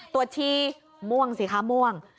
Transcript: ตรวจชี้ม่วงสิครับม่วง